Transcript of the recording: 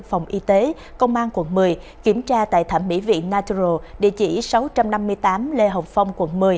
phòng y tế công an quận một mươi kiểm tra tại thẩm mỹ viện natural địa chỉ sáu trăm năm mươi tám lê hồng phong quận một mươi